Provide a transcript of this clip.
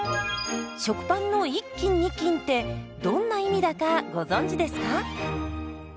食パンの１斤２斤ってどんな意味だかご存じですか？